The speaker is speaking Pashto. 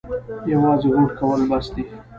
یوازې هوډ کول بس دي؟